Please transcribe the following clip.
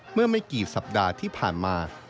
เมื่อไม่กี่สัปดาห์ที่ผ่านมา